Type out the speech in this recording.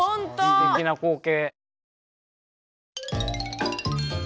すてきな光景。